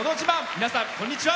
皆さん、こんにちは。